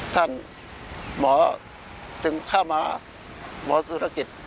หมอจึงเข้ามาหมอธุรกิจ